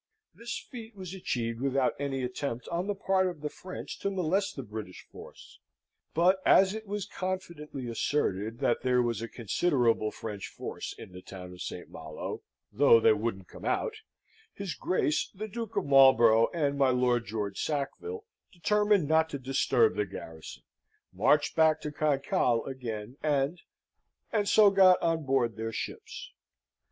This feat was achieved without any attempt on the part of the French to molest the British force: but, as it was confidently asserted that there was a considerable French force in the town of St. Malo, though they wouldn't come out, his Grace the Duke of Marlborough and my Lord George Sackville determined not to disturb the garrison, marched back to Cancale again, and and so got on board their ships.